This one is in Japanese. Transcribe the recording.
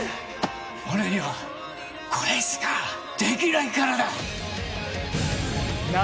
俺にはこれしかできないからだ！